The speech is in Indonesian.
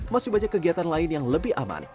masih banyak kegiatan lain yang lebih aman